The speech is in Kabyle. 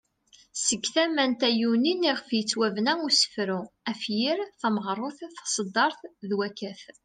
Seg tama n tayunin iɣef yettwabena usefru, afyir, tameɣrut ,taseddart ,d wakat.